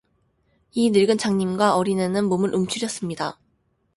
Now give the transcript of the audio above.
이 늙은 장님과 어린애는 몸을 움츠렸습니다.